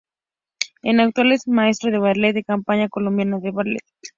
En actualidad es maestro de ballet de la Compañía Colombiana de Ballet.